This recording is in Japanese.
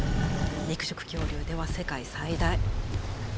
肉食恐竜では世界最大。